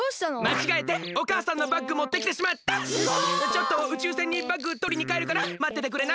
ちょっと宇宙船にバッグとりにかえるからまっててくれない？